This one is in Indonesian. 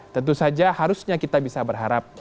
tentu saja harusnya kita bisa memilih anggota legislatif